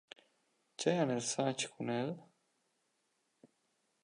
Tgei han els fatg cun el?